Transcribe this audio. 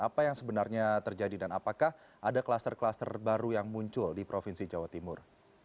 apa yang sebenarnya terjadi dan apakah ada kluster kluster baru yang muncul di provinsi jawa timur